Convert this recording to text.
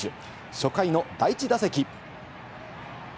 初回の第１打席。